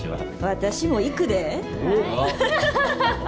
私も行くで。